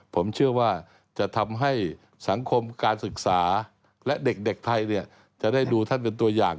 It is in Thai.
ผมเชื่อว่าจะทำให้สังคมการศึกษาและเด็กไทยจะได้ดูท่านเป็นตัวอย่าง